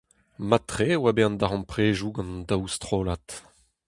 Mat-tre e oa bet an darempredoù gant an daou strollad.